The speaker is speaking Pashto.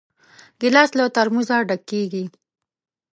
ګیلاس له ترموزه ډک کېږي.